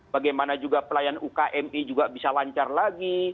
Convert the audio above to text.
bagaimana juga pelayan ukmi juga bisa lancar lagi